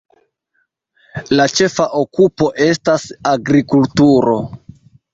La ĉefa okupo estas agrikulturo.